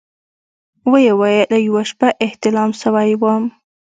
ويې ويل يوه شپه احتلام سوى وم.